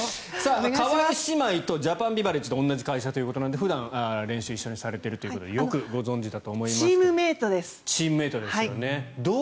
川井姉妹とジャパンビバレッジで同じということで普段、練習を一緒にされているということでチームメートです。